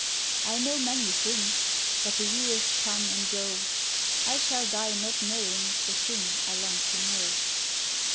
I know many things, But the years come and go, I shall die not knowing The thing I long to know.